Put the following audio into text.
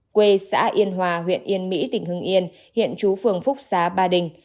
quê xã yên hòa huyện yên mỹ tỉnh hưng yên hiện chú phường phúc xá ba đình